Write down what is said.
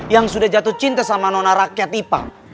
yang sudah jatuh cinta sama nona rakyat ipa